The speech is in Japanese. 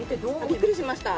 びっくりしました。